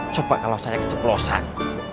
coba kalau saya keceplosan